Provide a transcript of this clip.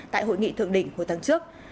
tại hội nghị thượng đỉnh hồi tháng trước